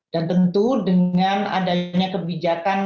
dan tentu dengan adanya kebijakan